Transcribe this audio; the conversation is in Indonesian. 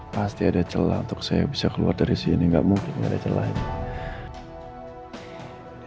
pasti ada celah untuk saya bisa keluar dari sini nggak mungkin nggak ada celah ini